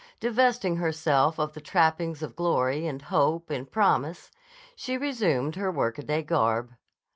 Divesting herself of the trappings of glory and hope and promise, she resumed her workaday garb.